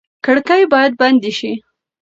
کړکۍ باید بنده شي.